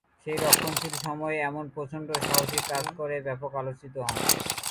সেই রক্ষণশীল সময়ে এমন প্রচন্ড সাহসী কাজ করে ব্যাপক আলোচিত হন।